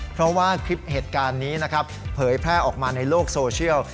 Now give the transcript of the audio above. เพราะว่าคลิปเหตุการณ์นี้นะครับเผยแพร่ออกมาในโลกโซเชียล